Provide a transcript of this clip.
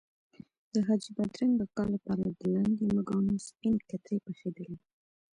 د حاجي بادرنګ اکا لپاره د لاندې مږانو سپینې کترې پخېدلې.